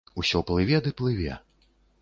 Усё плыве ды плыве.